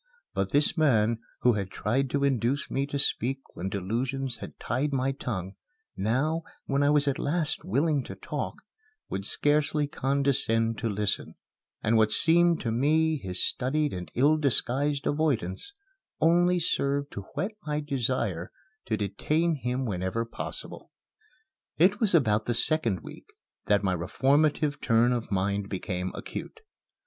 But this man, who had tried to induce me to speak when delusions had tied my tongue, now, when I was at last willing talk, would scarcely condescend to listen; and what seemed to me his studied and ill disguised avoidance only served to whet my desire to detain him whenever possible. It was about the second week that my reformative turn of mind became acute.